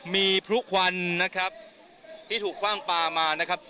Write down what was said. มีพลุควันนะครับที่ถูกคว่างปลามานะครับ